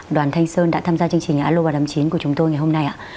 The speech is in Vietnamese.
đoàn thanh sơn đã tham gia chương trình alo và đám chín của chúng tôi ngày hôm nay